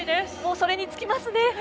それにつきますね。